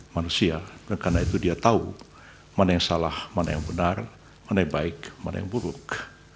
manusia karena itu dia tahu mana yang salah mana yang benar mana yang baik mana yang buruk